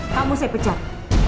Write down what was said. kamu saya pecat